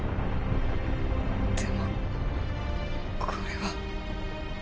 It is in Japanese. でもこれは。